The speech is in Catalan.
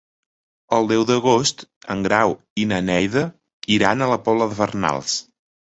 El deu d'agost en Grau i na Neida iran a la Pobla de Farnals.